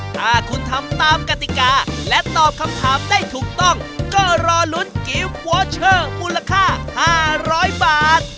ถ้าคุณทำตามกติกาและตอบคำถามได้ถูกต้องก็รอลุ้นกิฟต์วอเชอร์มูลค่า๕๐๐บาท